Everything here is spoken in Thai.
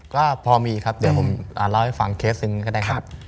ก็พอมีครับเดี๋ยวผมเล่าให้ฟังเคสหนึ่งก็ได้ครับ